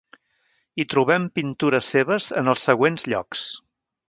Hi trobem pintures seves en els següents llocs: